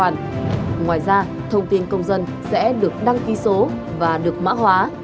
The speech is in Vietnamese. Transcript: ngoài ra thông tin công dân sẽ được đăng ký số và được mã hóa